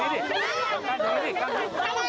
ที่บังเข้าใจ